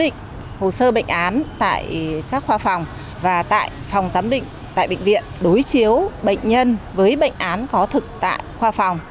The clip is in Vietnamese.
tổ sơ bệnh án tại các khoa phòng và tại phòng giám định tại bệnh viện đối chiếu bệnh nhân với bệnh án có thực tại khoa phòng